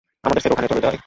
আমাদের সেট ওখানে, চলো যাই।